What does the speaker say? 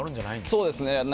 そうですね。